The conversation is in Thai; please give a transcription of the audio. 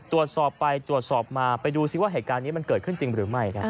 ตรวจสอบไปตรวจสอบมาไปดูซิเกิดขึ้นจริงหรือไม่